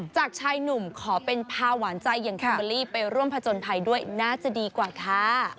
จากชายหนุ่มขอเป็นพาหวานใจอย่างคิมเบอร์รี่ไปร่วมผจญภัยด้วยน่าจะดีกว่าค่ะ